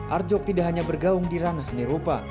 arjok tidak hanya bergaung di ranah seni rupa